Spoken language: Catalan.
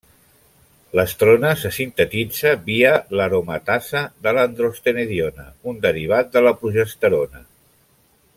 L'estrona se sintetitza via l'aromatasa de l'androstenediona, un derivat de la progesterona.